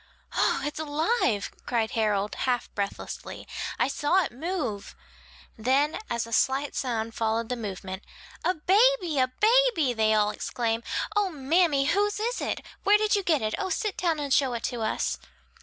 "Oh, it's alive," cried Harold, half breathlessly, "I saw it move!" Then as a slight sound followed the movement, "A baby! a baby!" they all exclaim, "O, mammy, whose is it? where did you get it? oh, sit down and show it to us!"